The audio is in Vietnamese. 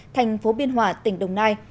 thành phố biên hòa tỉnh đồng nai